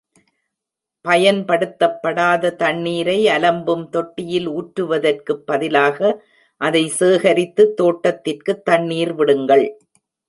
பயன்படுத்தப்படாத தண்ணீரை அலம்பும் தொட்டியில் ஊற்றுவதற்கு பதிலாக, அதை சேகரித்து தோட்டத்திற்கு தண்ணீர் விடுங்கள்.